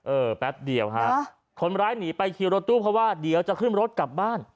แป๊บเดียวฮะคนร้ายหนีไปคิวรถตู้เพราะว่าเดี๋ยวจะขึ้นรถกลับบ้าน